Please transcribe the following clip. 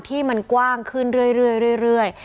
ที่มันกว้างขึ้นเรื่อย